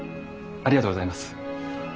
ありがとうございます。